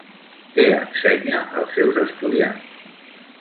Què ensenya als seus estudiants?